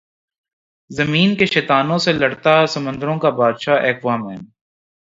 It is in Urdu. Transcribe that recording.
زمین کے شیطانوں سے لڑتا سمندروں کا بادشاہ ایکوامین